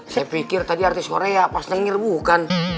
saya pikir tadi artis korea pas denger bukan